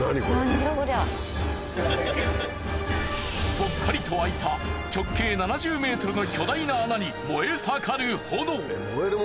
ぽっかりと空いた直径７０ｍの巨大な穴に燃え盛る炎。